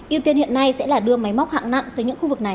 yêu tiên hiện nay sẽ là đưa máy móc hạng nặng tới những khu vực này